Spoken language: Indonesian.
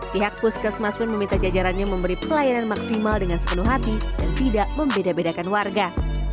pihak puskesmas pun meminta jajarannya memberi pelayanan maksimal dengan sepenuh hati dan tidak membeda bedakan warga